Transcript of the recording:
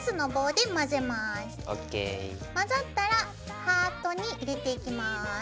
混ざったらハートに入れていきます。